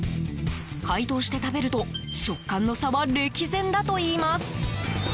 解凍して食べると、食感の差は歴然だといいます。